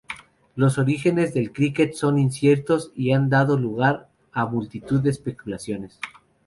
Los orígenes del críquet son inciertos y han dado lugar a multitud de especulaciones.